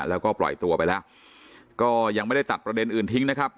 แล้วก็ปล่อยตัวไปแล้วก็ยังไม่ได้ตัดประเด็นอื่นทิ้งนะครับ